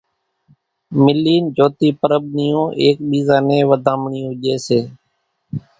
ملين جھوتي پرٻ نيون ايڪ ٻيزا نين وڌامڻيون ڄي سي۔